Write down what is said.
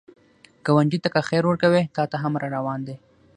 ګاونډي ته که خیر ورکوې، تا ته هم راروان دی